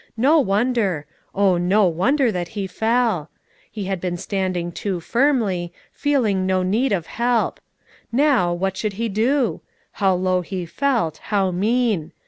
No wonder oh, no wonder that he fell! He had been standing too firmly, feeling no need of help. Now, what should he do? How low he felt, how mean!